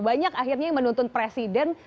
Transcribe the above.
banyak akhirnya yang menuntut presiden